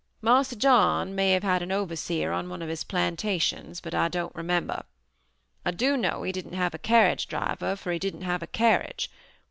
"Marse John may have had an overseer on one of his plantations, but I don't remember. I do know he didn't have a carriage driver for he didn't have a carriage.